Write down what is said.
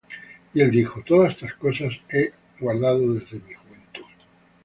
Y él dijo: Todas estas cosas he guardado desde mi juventud.